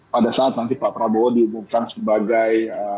pada saat nanti pak prabowo diumumkan sebagai